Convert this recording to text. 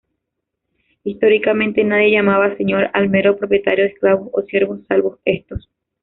Históricamente, nadie llamaba señor al mero propietario de esclavos o siervos, salvo estos.